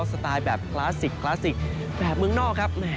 สไตล์แบบคลาสสิกคลาสสิกแบบเมืองนอกครับ